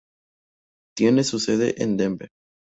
Tiene su sede en Denver.